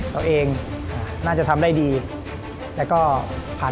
ช่วยฝังดินหรือกว่า